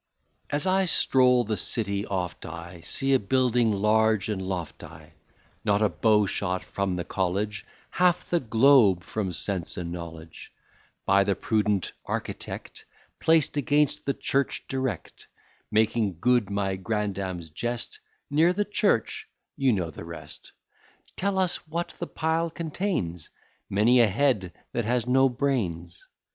As I stroll the city, oft I See a building large and lofty, Not a bow shot from the college; Half the globe from sense and knowledge By the prudent architect, Placed against the church direct, Making good my grandam's jest, "Near the church" you know the rest. Tell us what the pile contains? Many a head that has no brains.